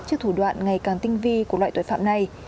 trước thủ đoạn ngày càng tinh vi của loại tội phạm này